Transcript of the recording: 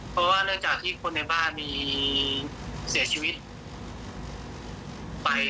เพราะว่าเนื่องจากที่คนในบ้านมีเสียชีวิตไป